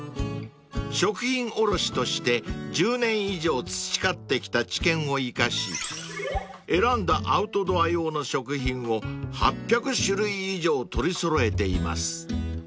［食品卸として１０年以上培ってきた知見を生かし選んだアウトドア用の食品を８００種類以上取り揃えています］